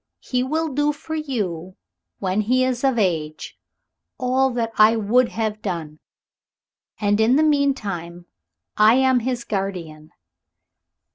He will do for you, when he is of age, all that I would have done. And in the meantime I am his guardian.